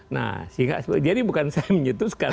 nah jadi bukan saya menyentuhkan